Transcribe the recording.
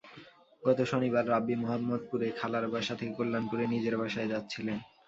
গত শনিবার রাব্বী মোহাম্মদপুরে খালার বাসা থেকে কল্যাণপুরে নিজের বাসায় যাচ্ছিলেন।